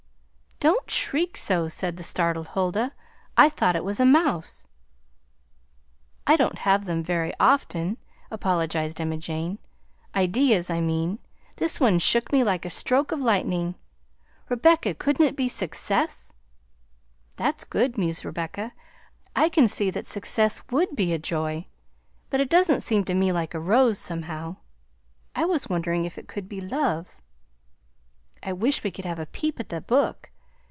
"Don't shriek so!" said the startled Huldah. "I thought it was a mouse." "I don't have them very often," apologized Emma Jane, "ideas, I mean; this one shook me like a stroke of lightning. Rebecca, couldn't it be success?" "That's good," mused Rebecca; "I can see that success would be a joy, but it doesn't seem to me like a rose, somehow. I was wondering if it could be love?" "I wish we could have a peep at the book!